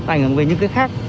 ảnh hưởng về những cái khác